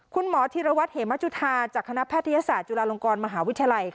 คุณหมอธีรวัตรเหมจุธาจากคณะแพทยศาสตร์จุฬาลงกรมหาวิทยาลัย